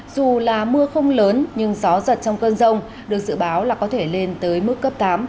dù là mưa không lớn nhưng gió giật trong cơn rông được dự báo là có thể lên tới mức cấp tám